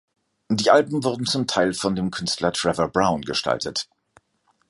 Die Alben wurden zum Teil von dem Künstler Trevor Brown gestaltet.